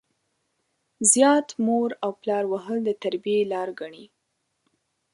زيات مور او پلار وهل د تربيې لار ګڼي.